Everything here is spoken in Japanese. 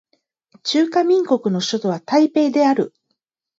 中華民国の首都は台北である